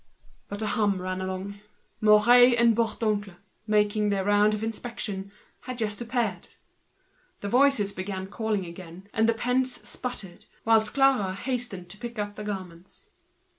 But a hum ran along: Mouret and Bourdoncle, making their round of inspection, had just appeared. The voices started again, the pens sputtered along, whilst Clara hastened to pick up the garments.